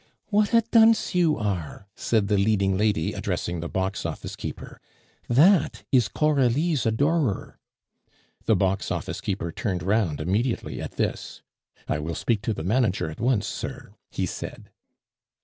"What a dunce you are!" said the leading lady, addressing the box office keeper, "that is Coralie's adorer." The box office keeper turned round immediately at this. "I will speak to the manager at once, sir," he said.